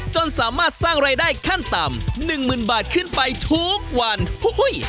จนสามารถสร้างรายได้ขั้นต่ำหนึ่งหมื่นบาทขึ้นไปทุกวันอุ้ย